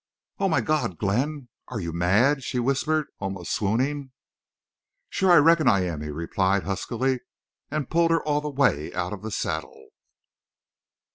"Oh, my God!—Glenn, are—you—mad?" she whispered, almost swooning. "Sure—I reckon I am," he replied, huskily, and pulled her all the way out of the saddle.